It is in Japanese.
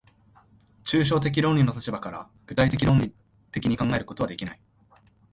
抽象的論理の立場から具体的論理的に考えることはできない。